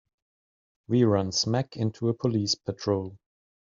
We run smack into a police patrol.